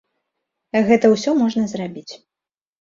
Гэта ўсё можна зрабіць.